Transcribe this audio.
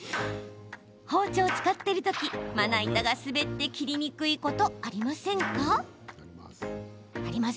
包丁を使っているときまな板が滑って切りにくいことありませんか？